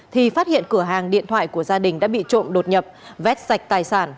thì phát hiện cửa hàng điện thoại của gia đình đã bị trộm đột nhập vét sạch tài sản